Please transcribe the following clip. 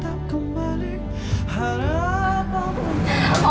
bapak jalan dulu ya